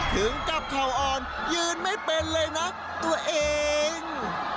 ถึงกับเข่าอ่อนยืนไม่เป็นเลยนะตัวเอง